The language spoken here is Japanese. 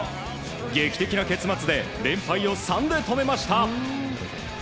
劇的な結末で連敗を３で止めました。